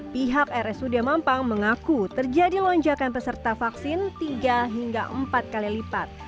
pihak rsud mampang mengaku terjadi lonjakan peserta vaksin tiga hingga empat kali lipat